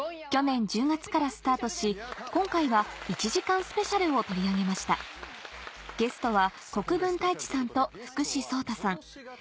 去年１０月からスタートし今回は１時間スペシャルを取り上げましたゲストは国分太一さんと福士蒼汰さん